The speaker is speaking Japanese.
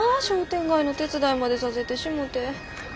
商店街の手伝いまでさせてしもて。